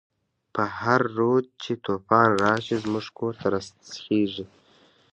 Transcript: په هر رود چی توفان راشی، زمونږ کور ته راسیخیږی